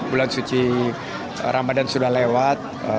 bulan suci ramadan sudah lewat